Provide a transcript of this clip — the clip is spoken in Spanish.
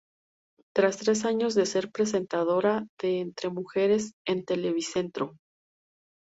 Tras tres años de ser presentadora de "Entre mujeres" en Televicentro.